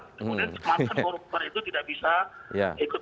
korupor itu tidak bisa ikut